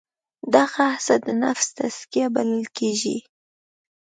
دغه هڅه د نفس تزکیه بلل کېږي.